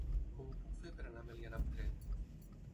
Com ho puc fer per anar a Meliana amb tren?